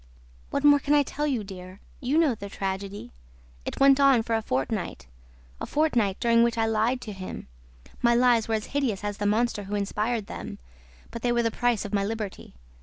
"What more can I tell you, dear? You now know the tragedy. It went on for a fortnight a fortnight during which I lied to him. My lies were as hideous as the monster who inspired them; but they were the price of my liberty.